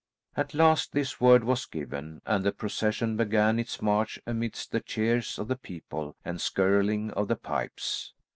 At last this word was given, and the procession began its march amidst the cheers of the people and a skirling of the pipes.